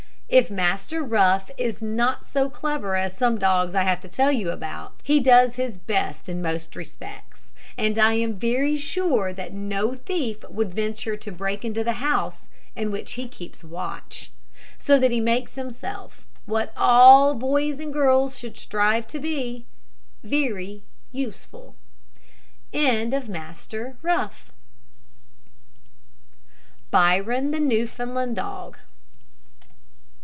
If Master Rough is not so clever as some dogs I have to tell you about, he does his best in most respects; and I am very sure that no thief would venture to break into the house in which he keeps watch: so that he makes himself what all boys and girls should strive to be very useful. BYRON, THE NEWFOUNDLAND DOG.